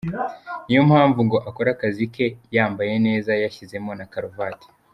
Niyo mpamvu ngo akora akazi ke yambaye neza yashyizemo na karuvati.